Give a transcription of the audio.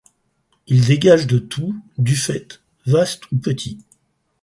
Il dégage de tout, du fait, vaste ou petit